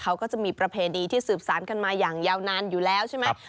เขาก็จะมีประเพณีที่สืบสารกันมาอย่างยาวนานอยู่แล้วใช่ไหม